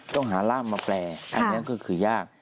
ต้องหาร่ามมาแปลอันนั้นก็คือยาก